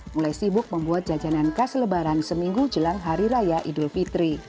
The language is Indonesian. mulai sibuk membuat jajanan khas lebaran seminggu jelang hari raya idul fitri